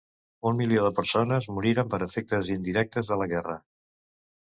Un milió de persones moriren per efectes indirectes de la guerra.